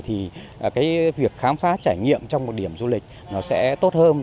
thì cái việc khám phá trải nghiệm trong một điểm du lịch nó sẽ tốt hơn